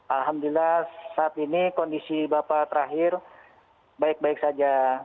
alhamdulillah saat ini kondisi bapak terakhir baik baik saja